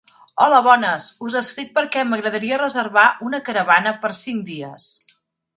Hola bones, us escric perquè m'agradaria reservar una caravana per cinc dies.